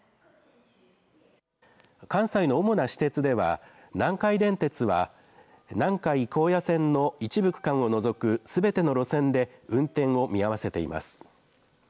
関西の主な私鉄では南海電鉄は南海高野線の一部区間を除くすべての路線で運転を見合わせています。